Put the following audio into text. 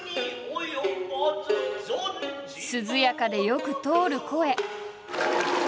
涼やかでよく通る声。